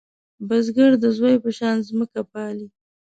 بزګر د زوی په شان ځمکه پالې